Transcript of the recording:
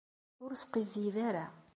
Ur as-sqizzib ara.